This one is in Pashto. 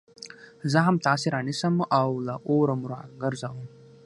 زه هم تاسي رانيسم او له اوره مو راگرځوم